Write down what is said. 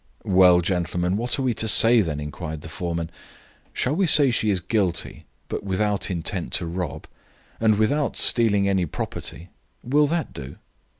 "Well, gentlemen, what are we to say, then?" inquired the foreman. "Shall we say she is guilty, but without intent to rob? And without stealing any property? Will that do?"